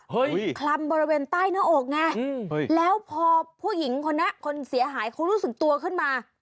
คลำบริเวณใต้หน้าอกไงแล้วพอผู้หญิงคนนี้คนเสียหายเขารู้สึกตัวขึ้นมา